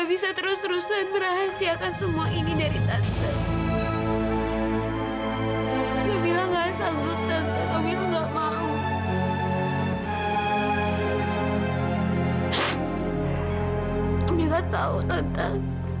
baru mengatakan semuanya sekarang